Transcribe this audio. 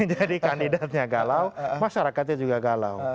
jadi kandidatnya galau masyarakatnya juga galau